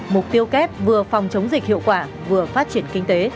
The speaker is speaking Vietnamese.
mục tiêu kép vừa phòng chống dịch hiệu quả vừa phát triển kinh tế